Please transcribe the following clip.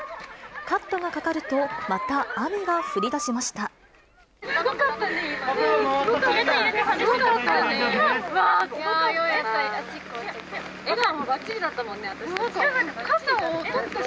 カットがかかると、また雨が降りすごかったね、今ね。